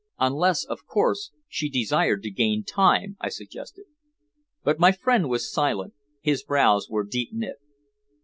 "Unless, of course, she desired to gain time," I suggested. But my friend was silent; his brows were deep knit.